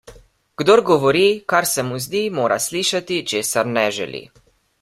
Kdor govori, kar se mu zdi, mora slišati, česar ne želi.